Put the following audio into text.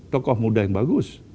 tokoh muda yang bagus